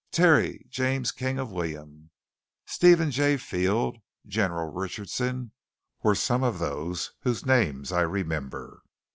Terry, James King of William, Stephen J. Field, General Richardson were some of those whose names I remember.